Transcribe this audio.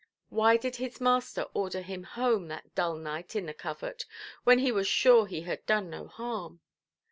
Why did his master order him home that dull night in the covert, when he was sure he had done no harm?